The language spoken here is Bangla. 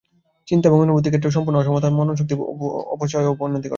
চিন্তা এবং অনুভূতির ক্ষেত্রেও সম্পূর্ণ সমতা মননশক্তির অপচয় ও অবনতি ঘটায়।